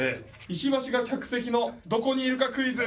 石橋が客席のどこにいるかクイズ。